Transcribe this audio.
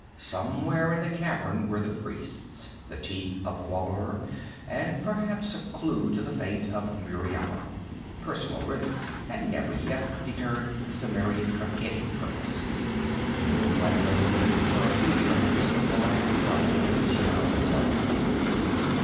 Somewhere in the cavern were the priests, the Teeth of Gwahlur, and perhaps a clue to the fate of Muriela. Personal risks had never yet deterred the Cimmerian from any purpose. Moonlight illumined, for a few yards, the wide tunnel in which he found himself.